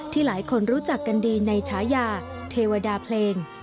หลายคนรู้จักกันดีในฉายาเทวดาเพลง